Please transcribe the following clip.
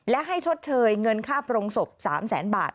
และให้ชดเชยเงินค่าโปรงศพ๓แสนบาท